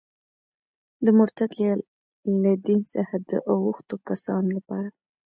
د مرتد یا له دین څخه د اوښتو کسانو لپاره.